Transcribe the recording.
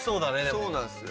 そうなんですよ。